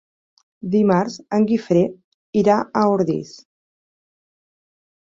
Dimarts en Guifré irà a Ordis.